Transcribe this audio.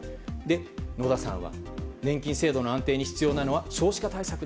野田さんは、年金制度の安定に必要なのは少子化対策。